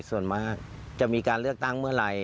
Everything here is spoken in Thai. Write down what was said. ส่วนมากจะมีการเลือกตั้งเมื่อไหร่